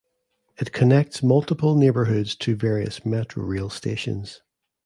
It connects multiple neighborhoods to various Metrorail stations.